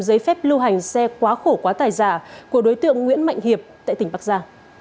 giấy phép lưu hành xe quá khổ quá tài giả của đối tượng nguyễn mạnh hiệp tại tỉnh bắc giang